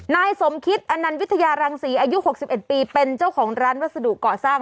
นายสมคิดอนันต์วิทยารังศรีอายุ๖๑ปีเป็นเจ้าของร้านวัสดุเกาะสร้าง